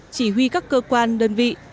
chỉ huy các cơ quan đơn vị